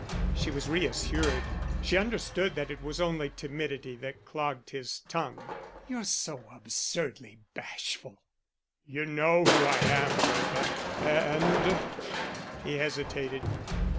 She was reassured; she understood that it was only timidity that clogged his tongue. "You're so absurdly bashful." "You know who I am, Bertha; and " he hesitated.